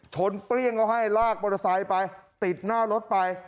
เปรี้ยงเขาให้ลากมอเตอร์ไซค์ไปติดหน้ารถไป